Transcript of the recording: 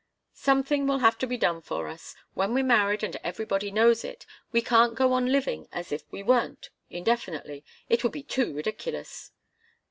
"Something will have to be done for us. When we're married and everybody knows it, we can't go on living as if we weren't indefinitely it would be too ridiculous.